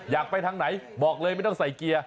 อยากไปทางไหนบอกเลยไม่ต้องใส่เกียร์